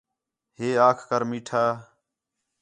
ہے آکھ کر میٹھا